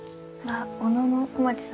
小野小町さん。